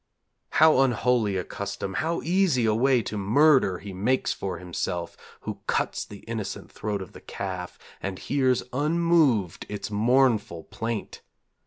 How unholy a custom, how easy a way to murder he makes for himself Who cuts the innocent throat of the calf, and hears unmoved its mournful plaint!